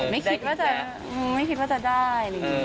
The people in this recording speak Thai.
ไม่คิดว่าจะได้